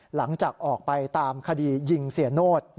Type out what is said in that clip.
หลังจากออกไปตามคดียิงเสียโนธ